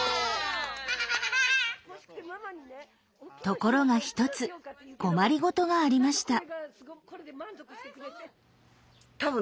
ところが一つ困りごとがありました。